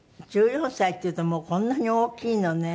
１４歳っていうともうこんなに大きいのね。